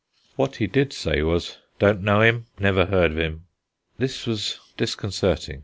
What he did say was: "Don't know him; never heard of him." This was disconcerting.